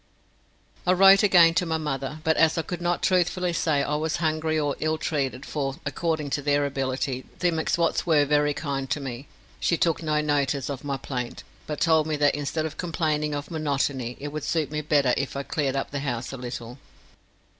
I wrote again to my mother, but as I could not truthfully say I was hungry or ill treated, for, according to their ability, the M'Swats were very kind to me, she took no notice of my plaint, but told me that instead of complaining of monotony, it would suit me better if I cleared up the house a little.